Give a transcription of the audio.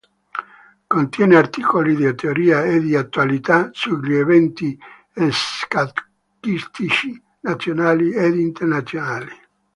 Contiene articoli di teoria e di attualità sugli eventi scacchistici nazionali ed internazionali.